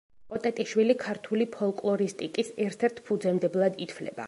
კოტეტიშვილი ქართული ფოლკლორისტიკის ერთ-ერთ ფუძემდებლად ითვლება.